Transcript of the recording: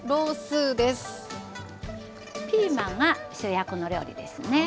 ピーマンが主役の料理ですね。